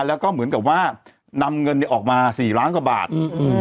แล้วก็เหมือนกับว่านำเงินเนี่ยออกมาสี่ล้านกว่าบาทอืม